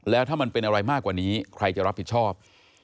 แล้วถ้ามันเป็นอะไรมากกว่านี้ใครจะรับผิดชอบ